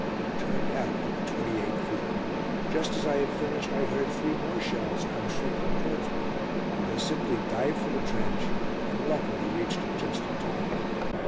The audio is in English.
It turned out to be 28 feet. Just as I had finished, I heard three more shells come shrieking towards me. I simply dived for the trench, and luckily reached it just in time.